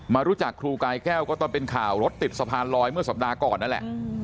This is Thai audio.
รู้จักครูกายแก้วก็ตอนเป็นข่าวรถติดสะพานลอยเมื่อสัปดาห์ก่อนนั่นแหละ